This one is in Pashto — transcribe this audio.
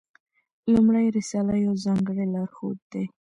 لومړۍ رساله یو ځانګړی لارښود دی.